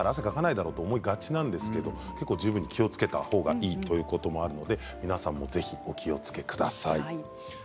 冬だから汗をかかないだろうと思いがちですけれど十分気をつけたほうがいいということもありますので皆さんもぜひお気をつけください。